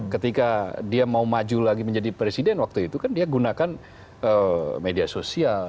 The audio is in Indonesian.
ketika dia mau maju lagi menjadi presiden waktu itu kan dia gunakan media sosial